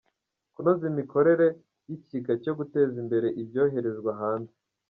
Kunoza imikorere y’Ikigega cyo guteza imbere ibyoherezwa hanze.